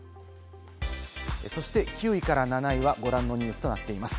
９位から７位はご覧のニュースとなっています。